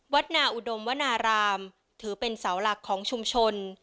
นาอุดมวนารามถือเป็นเสาหลักของชุมชน